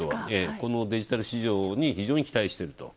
このデジタル市場に非常に期待してると。